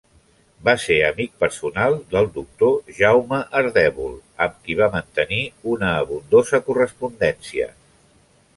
Va ser amic personal del doctor Jaume Ardèvol amb qui va mantenir una abundosa correspondència.